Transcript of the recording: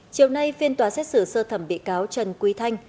chiều nay phiên tòa xét xử sơ thẩm bị cáo trần quý thanh